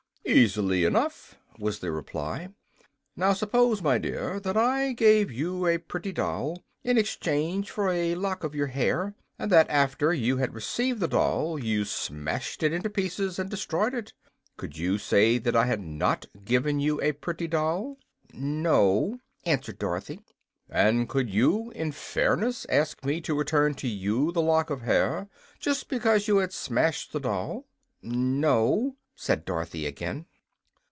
"Easily enough," was the reply. "Now suppose, my dear, that I gave you a pretty doll in exchange for a lock of your hair, and that after you had received the doll you smashed it into pieces and destroyed it. Could you say that I had not given you a pretty doll?" "No," answered Dorothy. "And could you, in fairness, ask me to return to you the lock of hair, just because you had smashed the doll?" "No," said Dorothy, again.